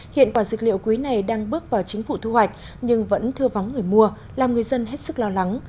hiện quả dược liệu quý này đang bước vào chính phủ thu hoạch nhưng vẫn thưa vắng người mua làm người dân hết sức lo lắng